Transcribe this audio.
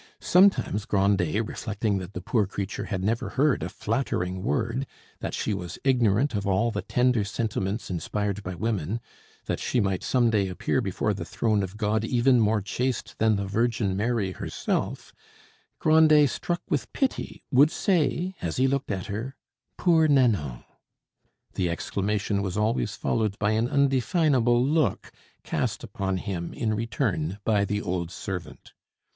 Sometimes Grandet, reflecting that the poor creature had never heard a flattering word, that she was ignorant of all the tender sentiments inspired by women, that she might some day appear before the throne of God even more chaste than the Virgin Mary herself, Grandet, struck with pity, would say as he looked at her, "Poor Nanon!" The exclamation was always followed by an undefinable look cast upon him in return by the old servant.